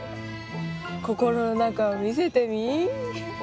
心の中を見せてみ？」。